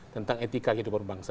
tentang etika kehidupan bangsa